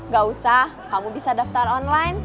gak usah kamu bisa daftar online